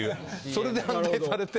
それで反対されて。